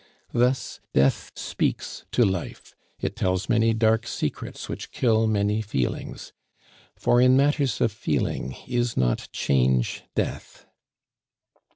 Thus Death speaks to Life; it tells many dark secrets which kill many feelings; for in matters of feeling is not change death?